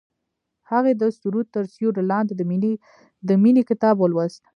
هغې د سرود تر سیوري لاندې د مینې کتاب ولوست.